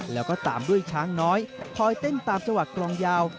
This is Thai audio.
แล้วก็ตามด้วยช้างน้อยคอยเต้นตามจังหวะกลองยาว